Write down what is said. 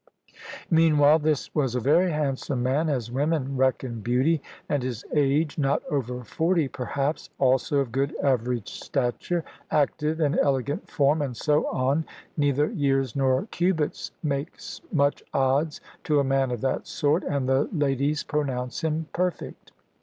Meanwhile this was a very handsome man, as women reckon beauty; and his age not over forty, perhaps; also of good average stature, active and elegant form, and so on. Neither years nor cubits make much odds to a man of that sort; and the ladies pronounce him perfect.